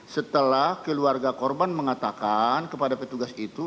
setelah keluarga korban mengatakan kepada petugas itu